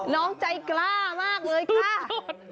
น้องใจกล้ามากเลยค่ะ